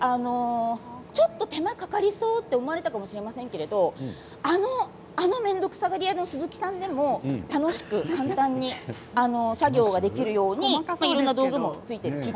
手間がかかりそうと思われたかもしれませんけれどあの面倒くさがりやの鈴木さんでも楽しく簡単に作業ができるように道具もついています。